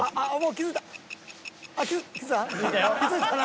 ［気付いたな］